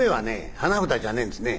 花札じゃねえんですね。